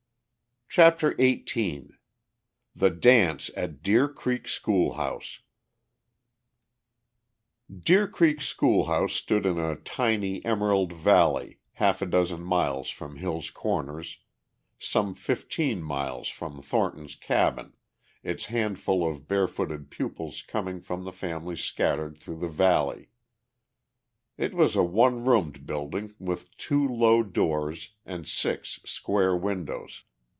CHAPTER XVIII THE DANCE AT DEER CREEK SCHOOLHOUSE Deer Creek schoolhouse stood in a tiny, emerald valley half a dozen miles from Hill's Corners, some fifteen miles from Thornton's cabin, its handful of barefooted pupils coming from the families scattered through the valley. It was a one roomed building with two low doors and six square windows.